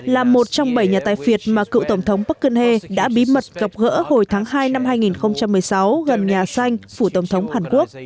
là một trong bảy nhà tài phiệt mà cựu tổng thống parkene đã bí mật gặp gỡ hồi tháng hai năm hai nghìn một mươi sáu gần nhà xanh phủ tổng thống hàn quốc